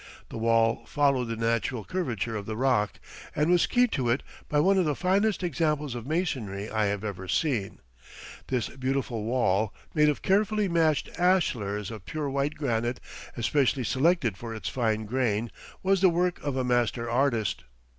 The wall followed the natural curvature of the rock and was keyed to it by one of the finest examples of masonry I have ever seen. This beautiful wall, made of carefully matched ashlars of pure white granite, especially selected for its fine grain, was the work of a master artist.